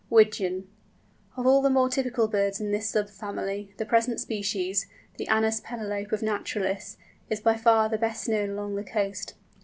WIGEON. Of all the more typical birds in this sub family, the present species, the Anas penelope of naturalists, is by far the best known along the coast.